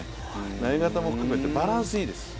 投げ方を含めてバランスがいいです。